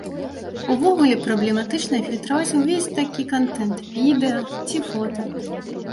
Увогуле праблематычна фільтраваць увесь такі кантэнт, відэа ці фота.